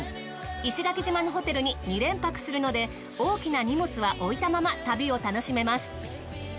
石垣島のホテルに２連泊するので大きな荷物は置いたまま旅を楽しめます。